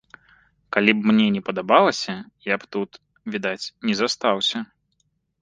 Калі б мне не падабалася, я б тут, відаць, не застаўся.